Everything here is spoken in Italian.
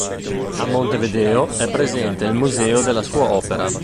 A Montevideo è presente il Museo della sua opera